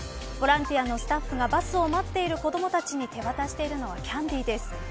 ボランティアのスタッフがバスを待っている子どもたちに手渡しているのはキャンディーです。